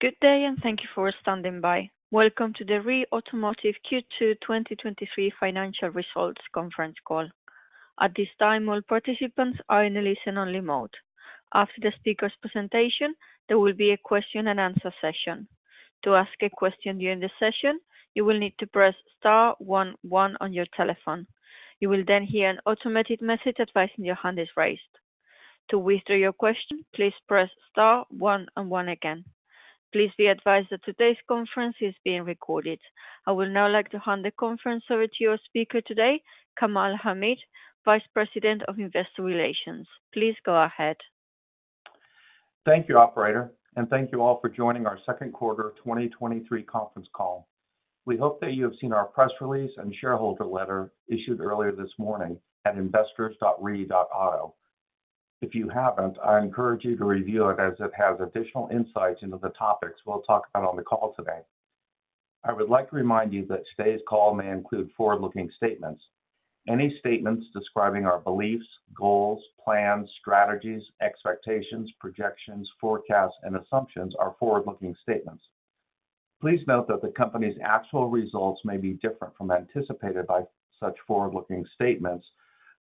Good day, and thank you for standing by. Welcome to the REE Automotive Q2 2023 financial results conference call. At this time, all participants are in a listen-only mode. After the speaker's presentation, there will be a question-and-answer session. To ask a question during the session, you will need to press star one, one on your telephone. You will then hear an automated message advising your hand is raised. To withdraw your question, please press star one and one again. Please be advised that today's conference is being recorded. I would now like to hand the conference over to your speaker today, Kamal Hamid, Vice President of Investor Relations. Please go ahead. Thank you, operator, and thank you all for joining our second quarter 2023 conference call. We hope that you have seen our press release and shareholder letter issued earlier this morning at investors.ree.io. If you haven't, I encourage you to review it as it has additional insights into the topics we'll talk about on the call today. I would like to remind you that today's call may include forward-looking statements. Any statements describing our beliefs, goals, plans, strategies, expectations, projections, forecasts, and assumptions are forward-looking statements. Please note that the company's actual results may be different from anticipated by such forward-looking statements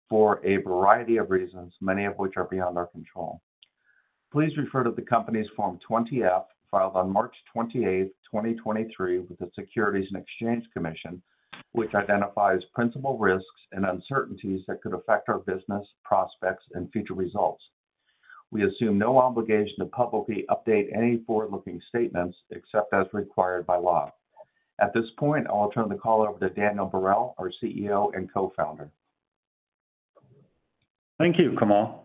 for a variety of reasons, many of which are beyond our control. Please refer to the company's Form 20-F, filed on March 28, 2023, with the Securities and Exchange Commission, which identifies principal risks and uncertainties that could affect our business, prospects, and future results. We assume no obligation to publicly update any forward-looking statements except as required by law. At this point, I'll turn the call over to Daniel Barel, our CEO and Co-Founder. Thank you, Kamal.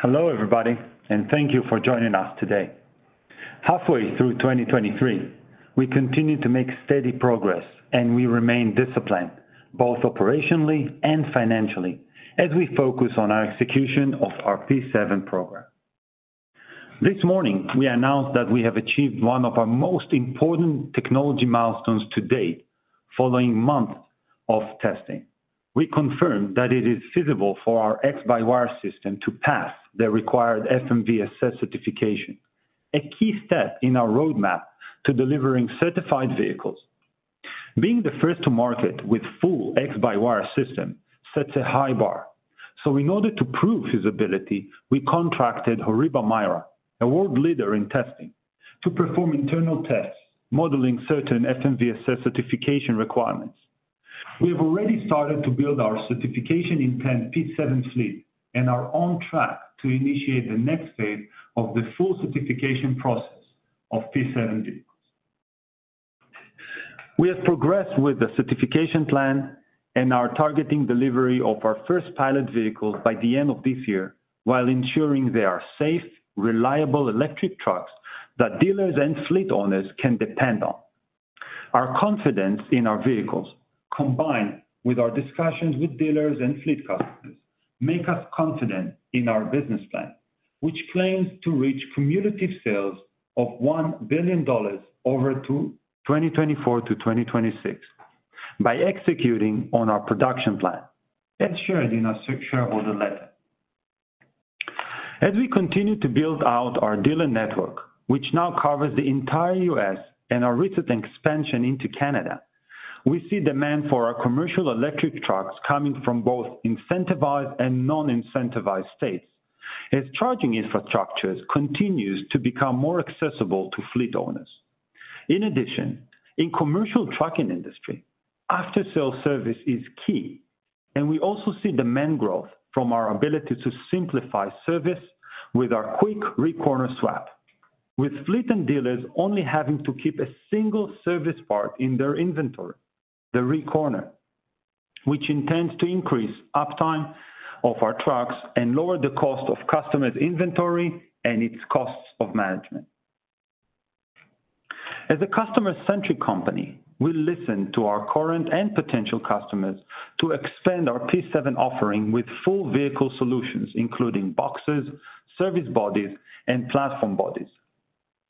Hello, everybody, and thank you for joining us today. Halfway through 2023, we continue to make steady progress, and we remain disciplined, both operationally and financially, as we focus on our execution of our P7 program. This morning, we announced that we have achieved one of our most important technology milestones to date, following months of testing. We confirmed that it is feasible for our X-by-wire system to pass the required FMVSS certification, a key step in our roadmap to delivering certified vehicles. Being the first to market with full X-by-wire system sets a high bar. In order to prove feasibility, we contracted HORIBA MIRA, a world leader in testing, to perform internal tests, modeling certain FMVSS certification requirements. We have already started to build our certification intent P7 fleet and are on track to initiate the next phase of the full certification process of P7 vehicles. We have progressed with the certification plan and are targeting delivery of our first pilot vehicles by the end of this year, while ensuring they are safe, reliable electric trucks that dealers and fleet owners can depend on. Our confidence in our vehicles, combined with our discussions with dealers and fleet customers, make us confident in our business plan, which claims to reach cumulative sales of $1 billion over to 2024 to 2026 by executing on our production plan, as shared in our shareholder letter. As we continue to build out our dealer network, which now covers the entire U.S. and our recent expansion into Canada, we see demand for our commercial electric trucks coming from both incentivized and non-incentivized states, as charging infrastructures continues to become more accessible to fleet owners. In addition, in commercial trucking industry, after-sale service is key, and we also see demand growth from our ability to simplify service with our quick REEcorner swap, with fleet and dealers only having to keep a single service part in their inventory, the REE Corner, which intends to increase uptime of our trucks and lower the cost of customers' inventory and its costs of management. As a customer-centric company, we listen to our current and potential customers to expand our P7 offering with full vehicle solutions, including boxes, service bodies, and platform bodies.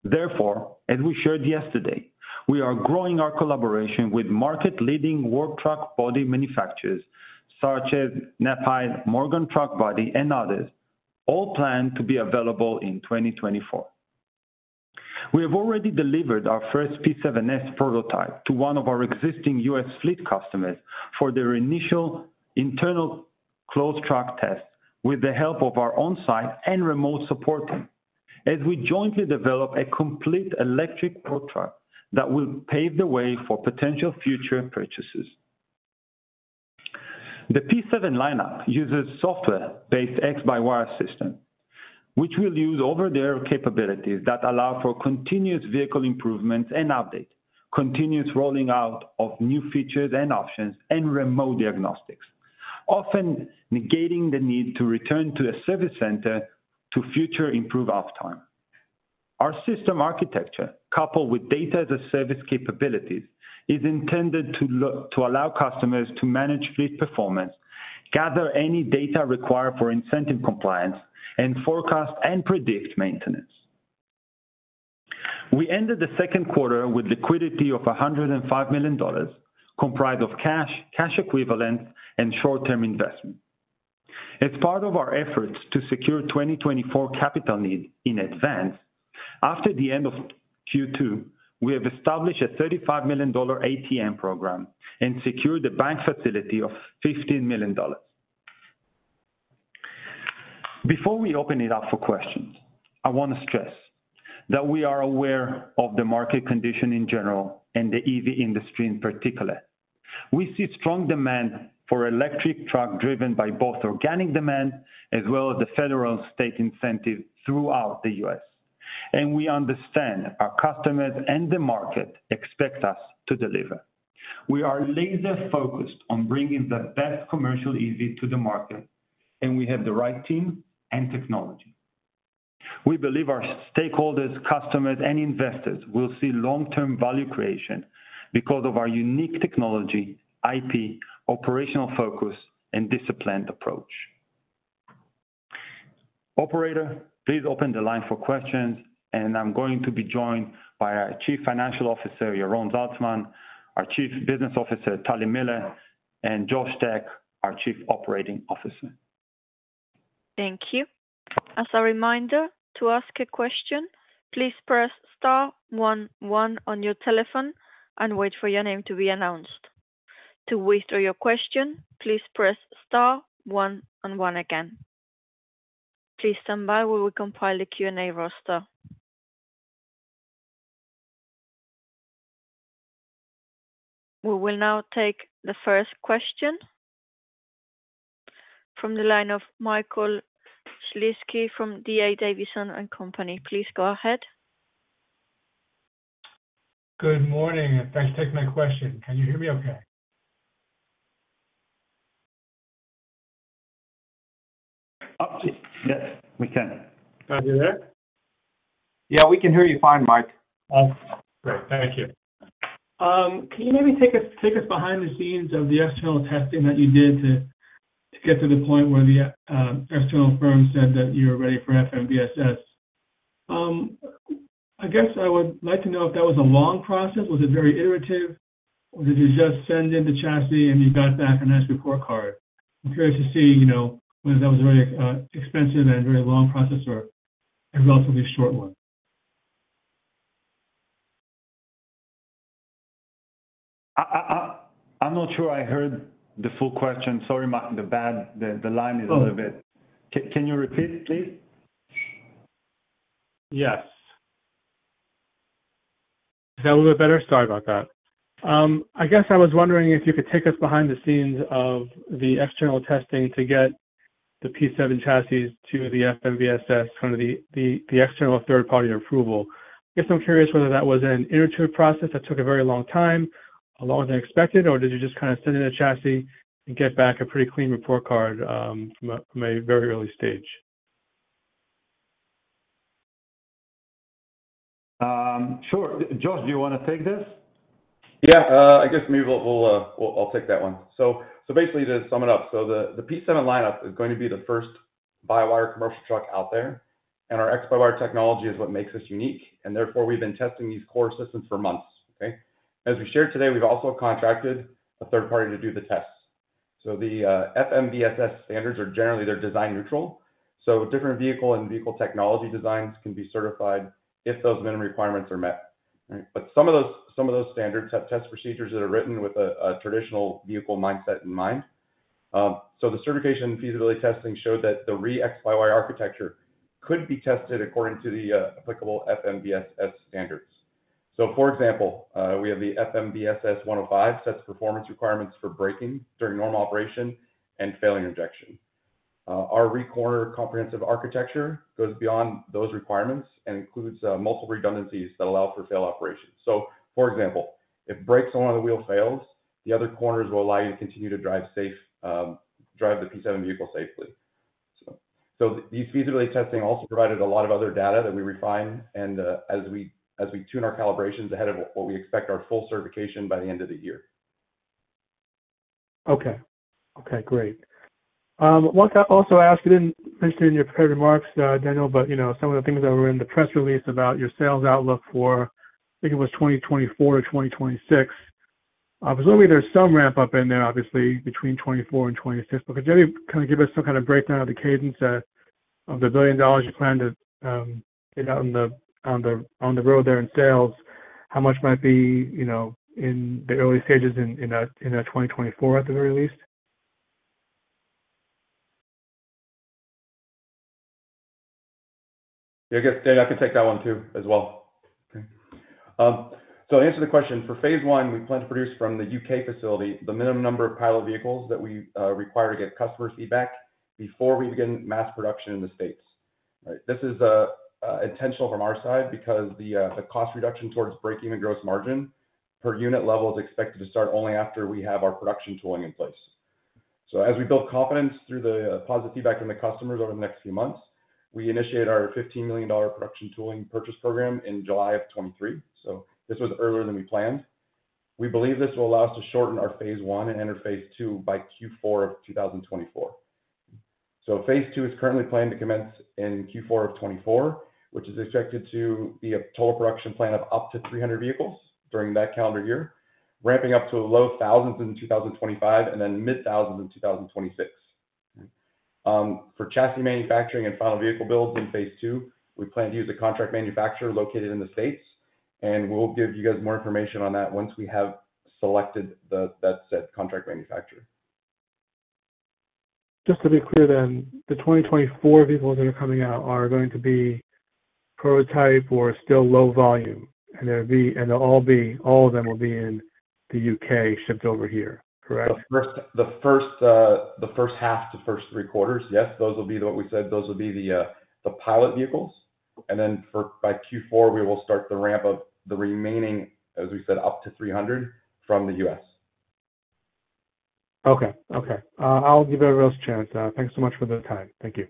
Therefore, as we shared yesterday, we are growing our collaboration with market-leading work truck body manufacturers such as Knapheide, Morgan Truck Body, and others, all planned to be available in 2024. We have already delivered our first P7-S prototype to one of our existing U.S. fleet customers for their initial internal closed truck test, with the help of our on-site and remote support team, as we jointly develop a complete electric road truck that will pave the way for potential future purchases. The P7 lineup uses software-based X-by-wire system, which will use over-the-air capabilities that allow for continuous vehicle improvements and updates, continuous rolling out of new features and options, and remote diagnostics, often negating the need to return to a service center to further improve off time. Our system architecture, coupled with data-as-a-service capabilities, is intended to allow customers to manage fleet performance, gather any data required for incentive compliance, and forecast and predict maintenance. We ended the second quarter with liquidity of $105 million, comprised of cash, cash equivalents, and short-term investments. As part of our efforts to secure 2024 capital needs in advance, after the end of Q2, we have established a $35 million ATM program and secured a bank facility of $15 million. Before we open it up for questions, I want to stress that we are aware of the market condition in general and the EV industry in particular. We see strong demand for electric truck, driven by both organic demand as well as the federal and state incentive throughout the U.S., and we understand our customers and the market expect us to deliver. We are laser-focused on bringing the best commercial EV to the market, and we have the right team and technology. We believe our stakeholders, customers, and investors will see long-term value creation because of our unique technology, IP, operational focus, and disciplined approach. Operator, please open the line for questions, and I'm going to be joined by our Chief Financial Officer, Yaron Zaltsman, our Chief Business Officer, Tali Miller, and Josh Tech, our Chief Operating Officer. Thank you. As a reminder, to ask a question, please press star one one on your telephone and wait for your name to be announced. To withdraw your question, please press star one and one again. Please stand by, we will compile the Q&A roster. We will now take the first question from the line of Michael Shlisky from D.A. Davidson and Company. Please go ahead. Good morning, and thanks for taking my question. Can you hear me okay? Yes, we can. Can you hear? Yeah, we can hear you fine, Mike. Awesome. Great. Thank you. Can you maybe take us, take us behind the scenes of the external testing that you did to, to get to the point where the external firm said that you were ready for FMVSS? I guess I would like to know if that was a long process. Was it very iterative, or did you just send in the chassis and you got back a nice report card? I'm curious to see, you know, whether that was a very expensive and very long process or a relatively short one. I'm not sure I heard the full question. Sorry, Mike, the bad line is a little bit- Can you repeat, please? Yes. Is that a little bit better? Sorry about that. I guess I was wondering if you could take us behind the scenes of the external testing to get the P7 chassis to the FMVSS, kind of the external third-party approval. I guess I'm curious whether that was an iterative process that took a very long time, longer than expected, or did you just kind of send in a chassis and get back a pretty clean report card, from a very early stage? Sure. Josh, do you want to take this? Yeah, I guess maybe I'll take that one. So basically, to sum it up, the P7 lineup is going to be the first X-by-wire commercial truck out there, and our X-by-wire technology is what makes us unique, and therefore, we've been testing these core systems for months. Okay? As we shared today, we've also contracted a third party to do the tests. So the FMVSS standards are generally they're design neutral, so different vehicle technology designs can be certified if those minimum requirements are met, right? But some of those standards have test procedures that are written with a traditional vehicle mindset in mind. So the certification and feasibility testing showed that the REE X-by-wire architecture could be tested according to the applicable FMVSS standards. So, for example, we have the FMVSS 105, sets performance requirements for braking during normal operation and failure injection. Our REEcorner comprehensive architecture goes beyond those requirements and includes multiple redundancies that allow for fail operations. So for example, if brakes on one of the wheel fails, the other corners will allow you to continue to drive safe, drive the P7 vehicle safely. So these feasibility testing also provided a lot of other data that we refine and, as we tune our calibrations ahead of what we expect our full certification by the end of the year. Okay. Okay, great. One thing I also asked, you didn't mention in your prepared remarks, Daniel, but, you know, some of the things that were in the press release about your sales outlook for, I think it was 2024 to 2026. Obviously, there's some ramp-up in there, obviously, between 2024 and 2026. But could you kind of give us some kind of breakdown of the cadence that, of the $1 billion you plan to get out on the road there in sales? How much might be, you know, in the early stages in 2024, at the very least? Yeah, I guess, Dan, I can take that one too, as well. Okay. So to answer the question, for phase one, we plan to produce from the UK facility the minimum number of pilot vehicles that we require to get customer feedback before we begin mass production in the States. Right? This is intentional from our side because the cost reduction towards breaking the gross margin per unit level is expected to start only after we have our production tooling in place. So as we build confidence through the positive feedback from the customers over the next few months, we initiate our $15 million production tooling purchase program in July 2023. So this was earlier than we planned. We believe this will allow us to shorten our phase one and enter phase two by Q4 of 2024. So phase two is currently planned to commence in Q4 of 2024, which is expected to be a total production plan of up to 300 vehicles during that calendar year, ramping up to low thousands in 2025, and then mid-thousands in 2026. For chassis manufacturing and final vehicle builds in phase two, we plan to use a contract manufacturer located in the States, and we'll give you guys more information on that once we have selected the contract manufacturer. Just to be clear then, the 2024 vehicles that are coming out are going to be prototype or still low volume, and they'll be, and they'll all be, all of them will be in the U.K., shipped over here, correct? The first half to first three quarters, yes, those will be what we said, those will be the pilot vehicles. And then for by Q4, we will start the ramp of the remaining, as we said, up to 300 from the U.S.. Okay. Okay, I'll give everyone else a chance. Thanks so much for the time. Thank you.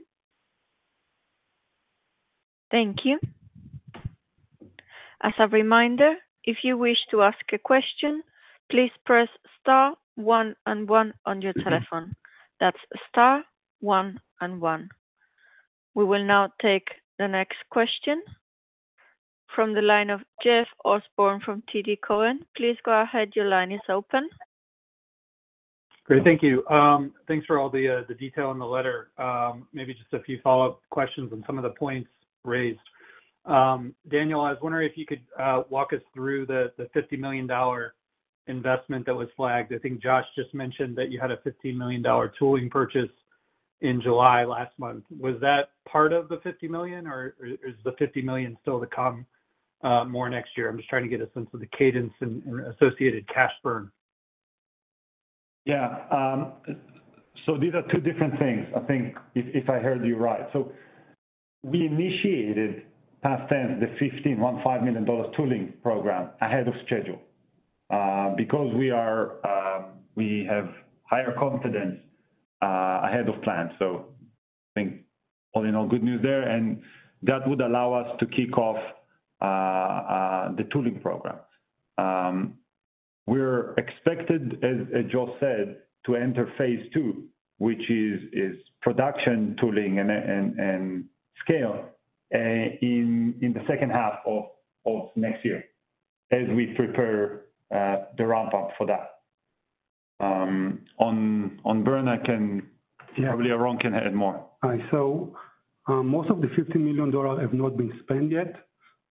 Thank you. As a reminder, if you wish to ask a question, please press star one and one on your telephone. That's star one and one. We will now take the next question from the line of Jeff Osborne from TD Cowen. Please go ahead, your line is open. Great. Thank you. Thanks for all the, the detail in the letter. Maybe just a few follow-up questions on some of the points raised. Daniel, I was wondering if you could, walk us through the, the $50 million investment that was flagged. I think Josh just mentioned that you had a $15 million tooling purchase in July last month. Was that part of the $50 million, or, or is the $50 million still to come, more next year? I'm just trying to get a sense of the cadence and, and associated cash burn. Yeah, so these are two different things, I think, if I heard you right. So we initiated, past tense, the $15.1 million tooling program ahead of schedule, because we are, we have higher confidence, ahead of plan. So I think all in all, good news there, and that would allow us to kick off the tooling programs. We're expected, as Josh said, to enter phase two, which is production tooling and scale, in the second half of next year, as we prepare the ramp-up for that. On burn, I can robably Yaron can add more. All right, so, most of the $50 million have not been spent yet,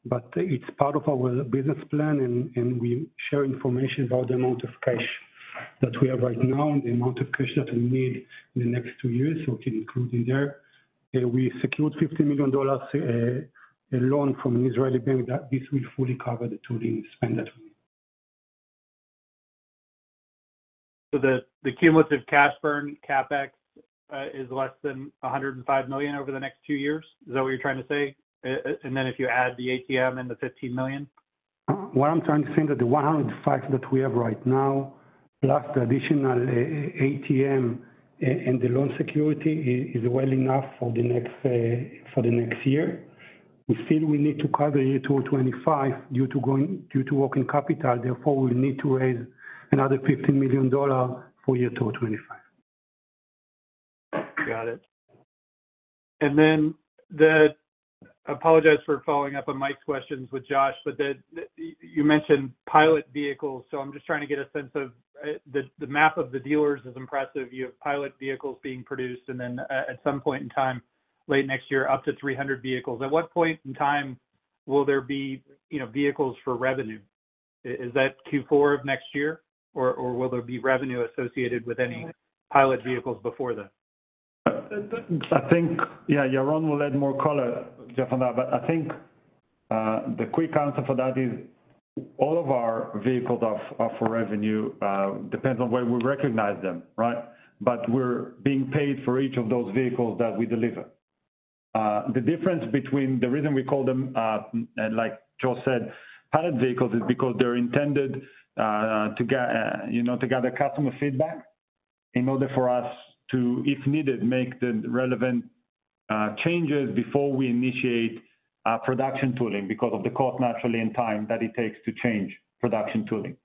but it's part of our business plan, and, and we share information about the amount of cash that we have right now and the amount of cash that we need in the next two years. So it includes in there. We secured $50 million, a loan from an Israeli bank, that this will fully cover the tooling spend that. So the cumulative cash burn, CapEx, is less than $105 million over the next two years? Is that what you're trying to say, and then if you add the ATM and the $15 million? What I'm trying to say is that the 105 that we have right now, plus the additional ATM and the loan security is well enough for the next year. We still will need to cover year 2025 due to working capital, therefore, we need to raise another $15 million for year 2025. Got it. And then I apologize for following up on Mike's questions with Josh, but you mentioned pilot vehicles, so I'm just trying to get a sense of the map of the dealers is impressive. You have pilot vehicles being produced, and then at some point in time, late next year, up to 300 vehicles. At what point in time will there be, you know, vehicles for revenue? Is that Q4 of next year, or will there be revenue associated with any pilot vehicles before then? I think, yeah, Yaron will add more color, Jeff, on that. But I think, the quick answer for that is all of our vehicles are for revenue, depends on where we recognize them, right? But we're being paid for each of those vehicles that we deliver. The difference between the reason we call them, like Josh said, pilot vehicles, is because they're intended, you know, to gather customer feedback in order for us to, if needed, make the relevant changes before we initiate production tooling, because of the cost, naturally, and time that it takes to change production tooling.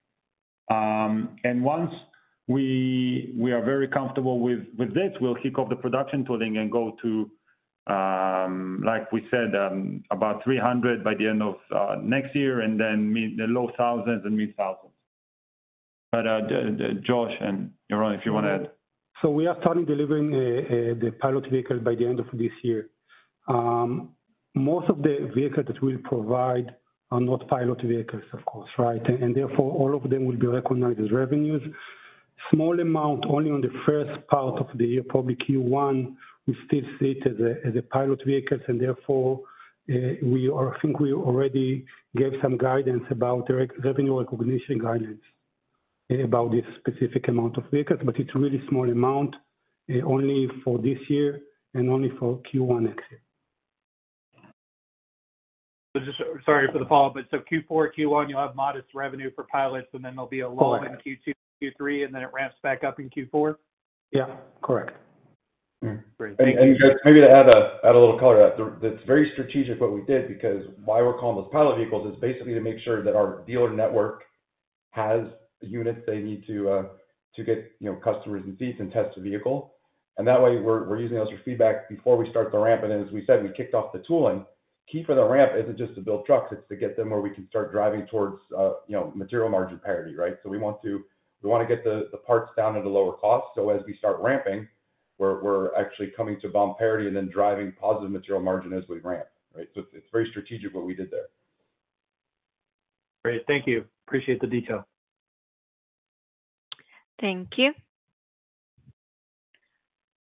And once we are very comfortable with this, we'll kick off the production tooling and go to, like we said, about 300 by the end of next year, and then the low thousands and mid thousands. But, Josh and Yaron, if you want to add. So we are starting delivering the pilot vehicle by the end of this year. Most of the vehicles that we provide are not pilot vehicles, of course, right? And therefore, all of them will be recognized as revenues. Small amount, only on the first part of the year, probably Q1, we still see it as a, as a pilot vehicles, and therefore, we are. I think we already gave some guidance about the revenue recognition guidance about this specific amount of vehicles, but it's a really small amount, only for this year and only for Q1 next year. Just sorry for the follow-up, but so Q4, Q1, you'll have modest revenue for pilots, and then there'll be a lull in Q2, Q3, and then it ramps back up in Q4? Yeah, correct. Great. Just maybe to add a little color to that. It's very strategic what we did, because why we're calling those pilot vehicles is basically to make sure that our dealer network has the units they need to get, you know, customers and seats and test the vehicle. And that way, we're using those for feedback before we start the ramp. And as we said, we kicked off the tooling. Key for the ramp isn't just to build trucks; it's to get them where we can start driving towards, you know, material margin parity, right? So we want to get the parts down at a lower cost. So as we start ramping, we're actually coming to BOM parity and then driving positive material margin as we ramp, right? So it's very strategic what we did there. Great. Thank you. Appreciate the detail. Thank you.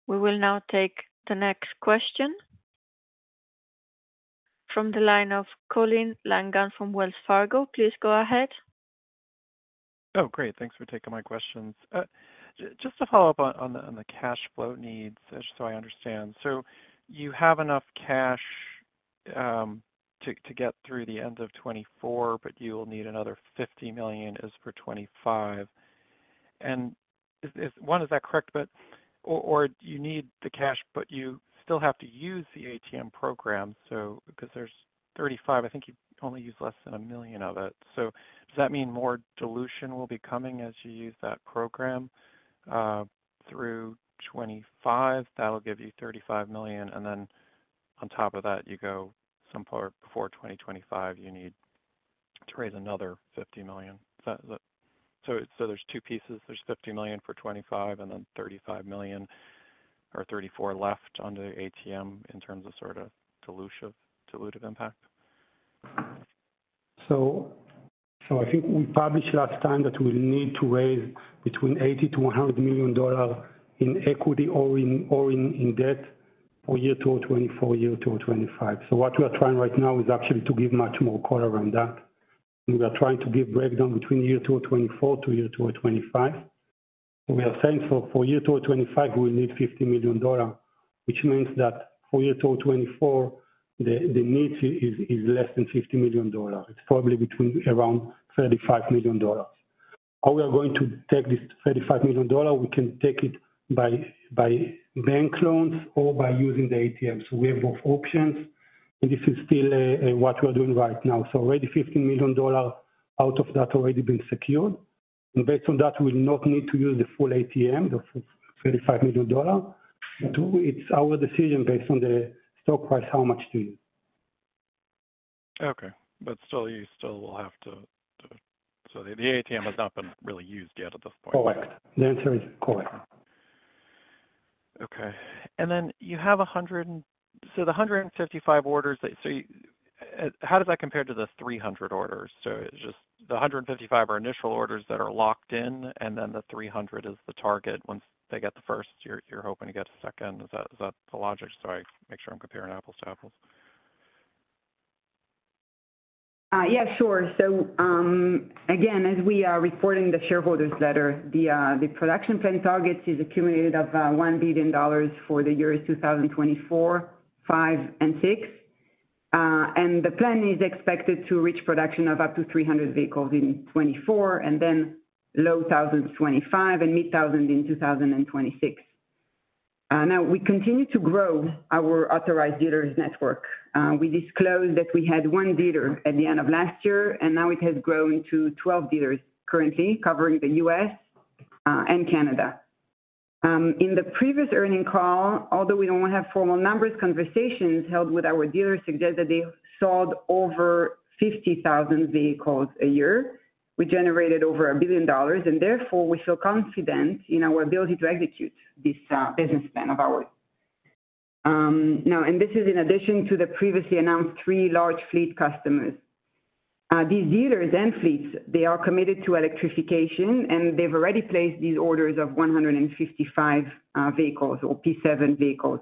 We will now take the next question from the line of Colin Langan from Wells Fargo. Please go ahead. Oh, great. Thanks for taking my questions. Just to follow up on the cash flow needs, just so I understand. So you have enough cash to get through the end of 2024, but you will need another $50 million as for 2025. And one, is that correct? But you need the cash, but you still have to use the ATM program, so because there's 35, I think you only use less than $1 million of it. So does that mean more dilution will be coming as you use that program through 2025, that'll give you $35 million, and then on top of that, you go someplace before 2025, you need to raise another $50 million? So there's two pieces. There's $50 million for 25, and then $35 million or 34 left on the ATM in terms of sort of dilutive, dilutive impact. So I think we published last time that we need to raise between $80 million-$100 million in equity or in debt for 2024, 2025. So what we are trying right now is actually to give much more color on that. We are trying to give breakdown between 2024 to 2025. We are saying for 2025, we will need $50 million, which means that for 2024, the need is less than $50 million. It's probably between around $35 million. How we are going to take this $35 million, we can take it by bank loans or by using the ATM. So we have both options, and this is still what we are doing right now. Already $50 million out of that already been secured, and based on that, we'll not need to use the full ATM of $35 million. Two, it's our decision based on the stock price, how much to use. Okay, but still, you still will have to, so the ATM has not been really used yet at this point? Correct. The answer is correct. Okay. And then you have 155 orders. So how does that compare to the 300 orders? So just the 155 are initial orders that are locked in, and then the 300 is the target. Once they get the first, you're hoping to get a second. Is that the logic? So I make sure I'm comparing apples to apples. Yeah, sure. So, again, as we are reporting the shareholders letter, the production plan targets is accumulated of $1 billion for the year 2024, 2025, and 2026. And the plan is expected to reach production of up to 300 vehicles in 2024, and then low thousands, 2025, and mid-thousand in 2026. Now, we continue to grow our authorized dealers network. We disclosed that we had 1 dealer at the end of last year, and now it has grown to 12 dealers currently covering the U.S., and Canada. In the previous earnings call, although we don't have formal numbers, conversations held with our dealers suggest that they sold over 50,000 vehicles a year. We generated over $1 billion, and therefore, we feel confident in our ability to execute this business plan of ours. This is in addition to the previously announced 3 large fleet customers. These dealers and fleets, they are committed to electrification, and they've already placed these orders of 155 vehicles or P7 vehicles.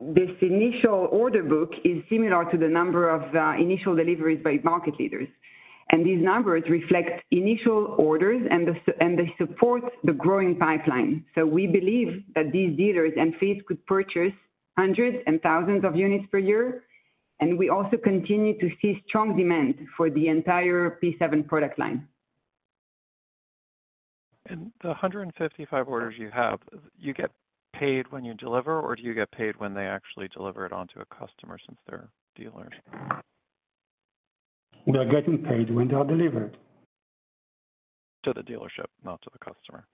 This initial order book is similar to the number of initial deliveries by market leaders. These numbers reflect initial orders, and they support the growing pipeline. We believe that these dealers and fleets could purchase hundreds and thousands of units per year, and we also continue to see strong demand for the entire P7 product line. The 155 orders you have, you get paid when you deliver, or do you get paid when they actually deliver it on to a customer since they're dealers? We are getting paid when they are delivered. To the dealership, not to the customer.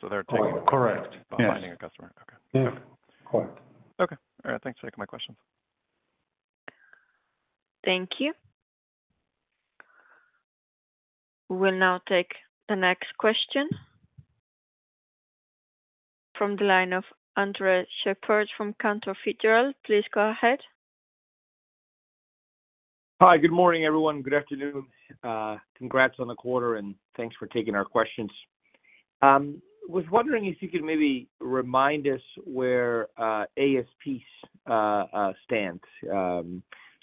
So they're taking- Correct. finding a customer. Okay. Yes. Correct. Okay. All right, thanks for taking my questions. Thank you. We will now take the next question from the line of Andres Sheppard from Cantor Fitzgerald. Please go ahead. Hi, good morning, everyone. Good afternoon. Congrats on the quarter, and thanks for taking our questions. Was wondering if you could maybe remind us where ASPs stand.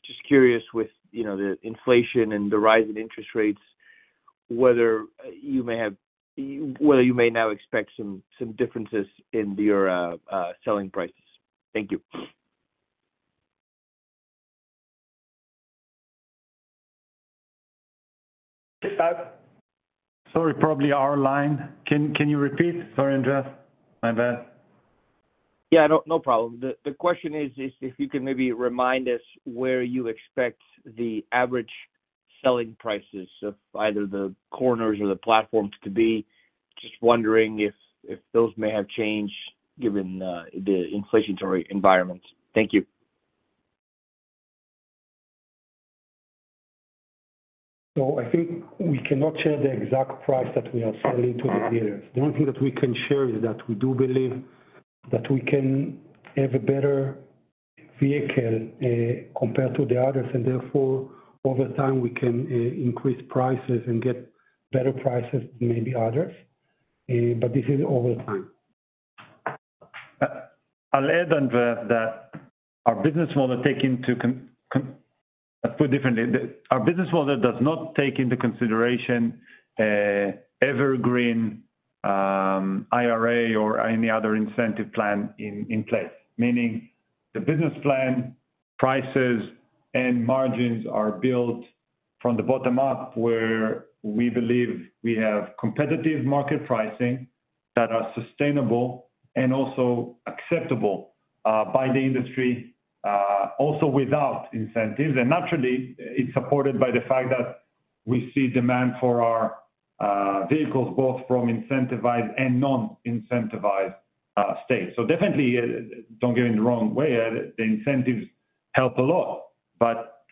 Just curious with, you know, the inflation and the rise in interest rates, whether you may now expect some differences in your selling prices. Thank you. Sorry, probably our line. Can you repeat? Sorry, Andreas, my bad. Yeah, no, no problem. The question is if you can maybe remind us where you expect the average selling prices of either the corners or the platforms to be? Just wondering if those may have changed given the inflationary environment. Thank you. So I think we cannot share the exact price that we are selling to the dealers. The only thing that we can share is that we do believe that we can have a better vehicle, compared to the others, and therefore, over time, we can, increase prices and get better prices than maybe others, but this is over time. I'll add on that, that our business model takes into consideration. Put differently. That our business model does not take into consideration evergreen IRA or any other incentive plan in place. Meaning, the business plan, prices, and margins are built from the bottom up, where we believe we have competitive market pricing that are sustainable and also acceptable by the industry also without incentives. And naturally, it's supported by the fact that we see demand for our vehicles, both from incentivized and non-incentivized states. So definitely, don't get me the wrong way, the incentives help a lot, but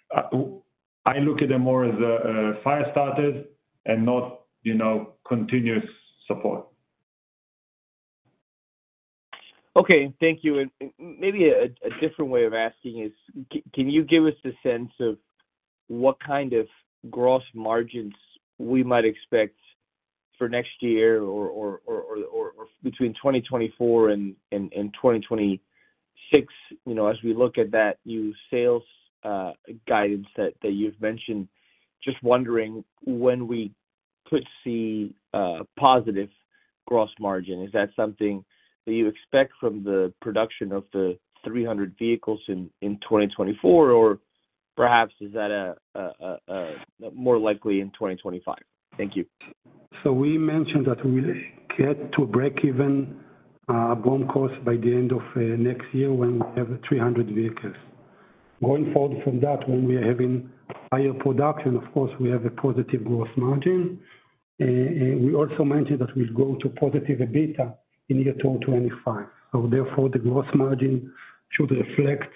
I look at them more as a fire starter and not, you know, continuous support. Okay, thank you. And maybe a different way of asking is: Can you give us the sense of what kind of gross margins we might expect for next year or between 2024 and 2026? You know, as we look at that new sales guidance that you've mentioned, just wondering when we could see positive gross margin. Is that something that you expect from the production of the 300 vehicles in 2024, or perhaps is that more likely in 2025? Thank you. So we mentioned that we get to break even BOM cost by the end of next year when we have 300 vehicles. Going forward from that, when we are having higher production, of course, we have a positive gross margin. And we also mentioned that we go to positive EBITDA in year 2025. So therefore, the gross margin should reflect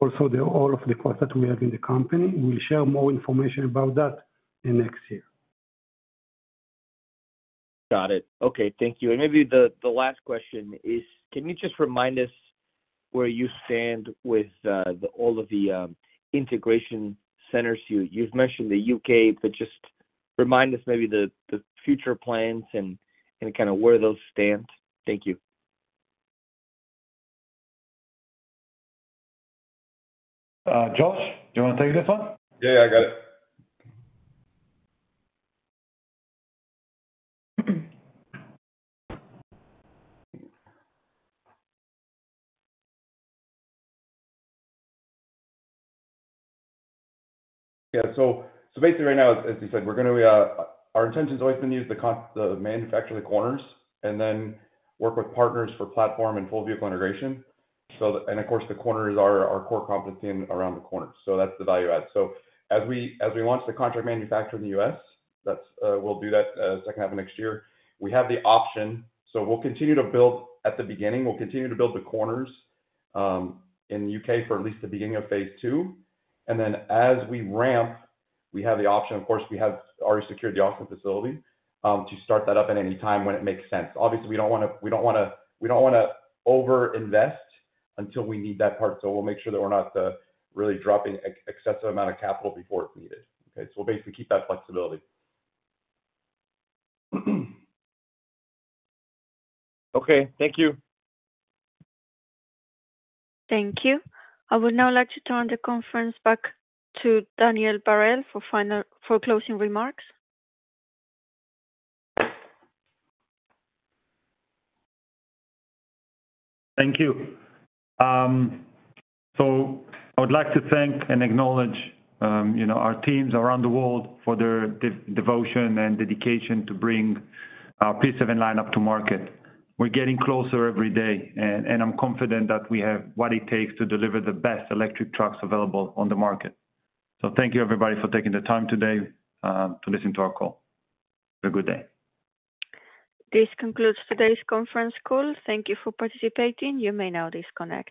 also the all of the costs that we have in the company. We'll share more information about that in next year. Got it. Okay, thank you. And maybe the last question is, can you just remind us where you stand with all of the integration centers? You've mentioned the U.K., but just remind us maybe the future plans and kind of where those stand. Thank you. Josh, do you want to take this one? Yeah, I got it. Yeah, so, so basically right now, as, as you said, we're gonna be, our intention has always been to use the contract manufacture of the corners and then work with partners for platform and full vehicle integration. So and of course, the corners are our core competency around the corners, so that's the value add. So as we, as we launch the contract manufacturer in the U.S., that's, we'll do that, second half of next year. We have the option, so we'll continue to build at the beginning. We'll continue to build the corners, in the U.K. for at least the beginning of phase two. And then as we ramp, we have the option, of course, we have already secured the Oxford facility, to start that up at any time when it makes sense. Obviously, we don't wanna over-invest until we need that part. So we'll make sure that we're not really dropping excessive amount of capital before it's needed, okay? So we'll basically keep that flexibility. Okay, thank you. Thank you. I would now like to turn the conference back to Daniel Barel for closing remarks. Thank you. So I would like to thank and acknowledge, you know, our teams around the world for their devotion and dedication to bring our P7 lineup to market. We're getting closer every day, and I'm confident that we have what it takes to deliver the best electric trucks available on the market. So thank you, everybody, for taking the time today, to listen to our call. Have a good day. This concludes today's conference call. Thank you for participating. You may now disconnect.